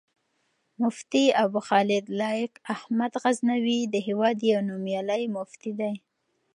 مفتي ابوخالد لائق احمد غزنوي، د هېواد يو نوميالی مفتی دی